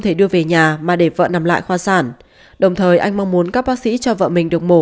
thể đưa về nhà mà để vợ nằm lại khoa sản đồng thời anh mong muốn các bác sĩ cho vợ mình được mổ